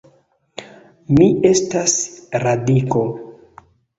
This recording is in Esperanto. Ne estas radiko.